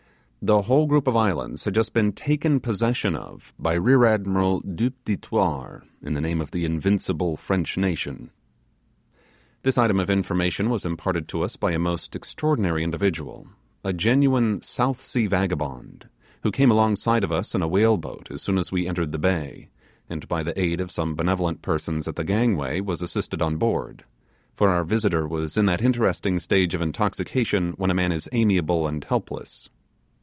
The whole group of islands had just been taken possession of by Rear Admiral Du Petit Thouars, in the name of the invincible French nation. This item of information was imparted to us by a most extraordinary individual, a genuine South Sea vagabond, who came alongside of us in a whale boat as soon as we entered the bay, and, by the aid of some benevolent persons at the gangway, was assisted on board, for our visitor was in that interesting stage of intoxication when a man is amiable and helpless.